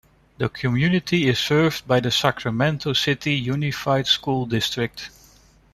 The community is served by the Sacramento City Unified School District.